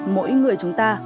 mỗi người chúng ta